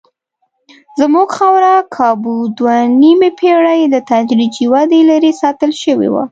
زموږ خاوره کابو دوه نیمې پېړۍ له تدریجي ودې لرې ساتل شوې وه.